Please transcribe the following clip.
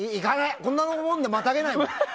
こんなもんでまたげないもん。